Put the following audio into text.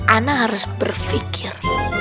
ana harus berpikir